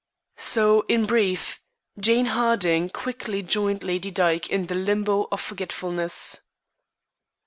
So, in brief, Jane Harding quickly joined Lady Dyke in the limbo of forgetfulness.